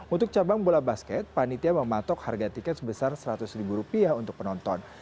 untuk cabang bola basket panitia mematok harga tiket sebesar seratus ribu rupiah untuk penonton